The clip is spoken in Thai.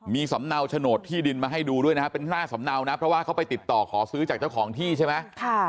มีสำเนาโฉนดที่ดินมาให้ดูด้วยนะครับเป็นหน้าสำเนานะเพราะว่าเขาไปติดต่อขอซื้อจากเจ้าของที่ใช่ไหม